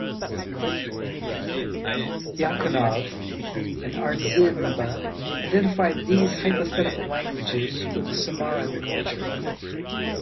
Dyakonov and Ardzinba identified these hypothetical languages with the Samarran culture.